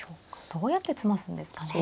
どうやって詰ますんですかね。